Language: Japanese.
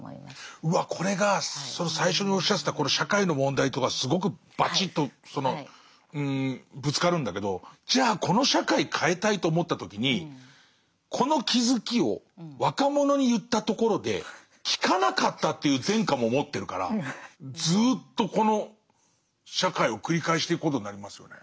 うわこれがその最初におっしゃってた社会の問題とがすごくバチッとそのぶつかるんだけどじゃあこの社会変えたいと思った時にこの気付きを若者に言ったところで聞かなかったという前科も持ってるからずっとこの社会を繰り返していくことになりますよね。